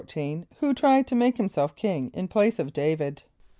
= Who tried to make himself king in place of D[=a]´vid?